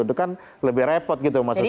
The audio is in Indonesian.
itu kan lebih repot gitu maksud saya